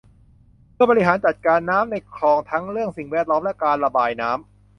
เพื่อบริหารจัดการน้ำในคลองทั้งเรื่องสิ่งแวดล้อมและการระบายน้ำ